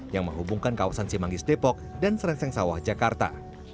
yang menghubungkan kawasan simangis depok dan serengseng sawah jakarta